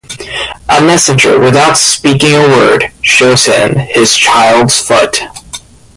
A messenger, without speaking a word, shows him his child's foot.